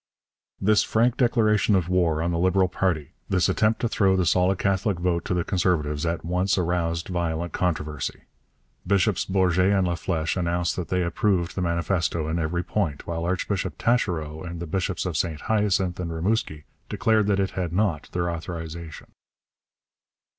This frank declaration of war on the Liberal party, this attempt to throw the solid Catholic vote to the Conservatives, at once aroused violent controversy. Bishops Bourget and Laflèche announced that they approved the manifesto in every point, while Archbishop Taschereau and the bishops of St Hyacinthe and Rimouski declared that it had not their authorization.